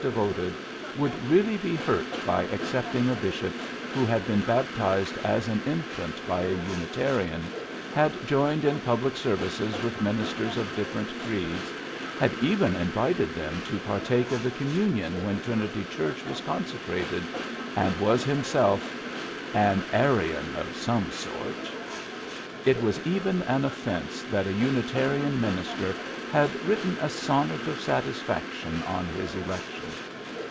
devoted would really be hurt by accept ing a bishop who had been baptized as an infant by a Unitarian, had joined in public services with ministers of differ ent creeds, had even invited them to partake of the communion when Trinity Chiu'ch was consecrated, and was him self ''an Arian of some sort." It was even an offence that a Unitarian minis ter had written a sonnet of satisfaction on his election.